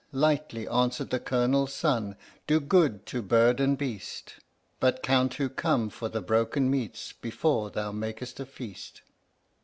Lightly answered the Colonel's son: "Do good to bird and beast, But count who come for the broken meats before thou makest a feast.